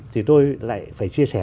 thì tôi lại phải chia sẻ